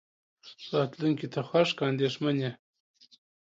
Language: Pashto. راتلونکې ته خوښ که اندېښمن يې.